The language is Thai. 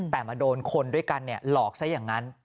แต่มาโดนคนด้วยกันหลอกซะอย่างนั้น